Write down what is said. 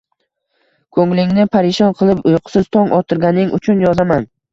Ko’nglingni parishon qilib, uyqusiz tong ottirganing uchun yozaman…